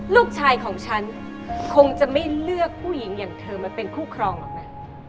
ลูกชายของฉันคงจะไม่เลือกผู้หญิงอย่างเธอมาเป็นคู่ครองหรอกนะ